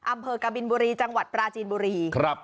อำเภอกบินบุรีจังหวัดปราจีนบุรี